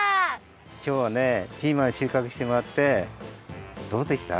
きょうはねピーマンしゅうかくしてもらってどうでした？